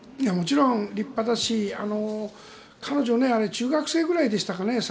もちろん立派だし彼女、中学生ぐらいでしたかね。